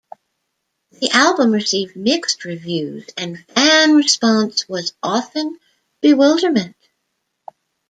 The album received mixed reviews, and fan response was often bewilderment.